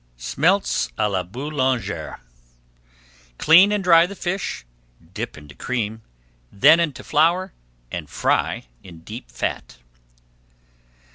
SMELTS À LA BOULANGER Clean and dry the fish, dip into cream, then into flour, and fry in deep fat.